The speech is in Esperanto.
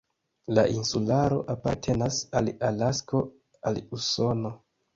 La insularo apartenas al Alasko, al Usono.